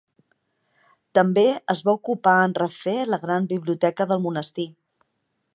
També es va ocupar en refer la gran biblioteca del Monestir.